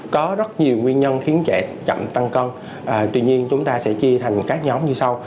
có rất nhiều nguyên nhân khiến trẻ chậm tăng cân tuy nhiên chúng ta sẽ chia thành các nhóm như sau